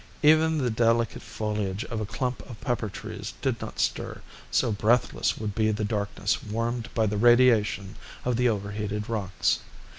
Even the delicate foliage of a clump of pepper trees did not stir, so breathless would be the darkness warmed by the radiation of the over heated rocks.